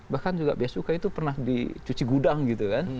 bahkan juga biaya cukai itu pernah dicuci gudang gitu kan